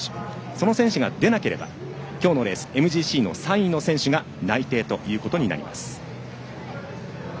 その選手が出なければ今日のレースＭＧＣの３位の選手が内定となります。